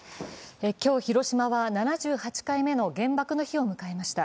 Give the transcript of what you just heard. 今日、広島は７８回目の原爆の日を迎えました。